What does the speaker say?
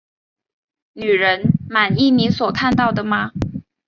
女人，满意你所看到的吗？